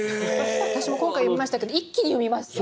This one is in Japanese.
私も今回読みましたけど一気に読めますよね。